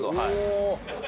お！